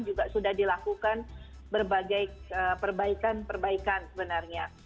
juga sudah dilakukan berbagai perbaikan perbaikan sebenarnya